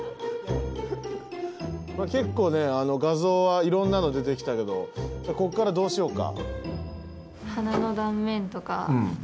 結構ね画像はいろんなの出てきたけどこっからどうしようか？